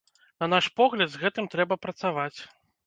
На наш погляд, з гэтым трэба працаваць.